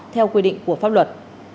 theo quy định của pháp luật